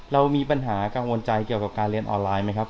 เรามีปัญหากังวลใจเกี่ยวกับการเรียนออนไลน์ไหมครับ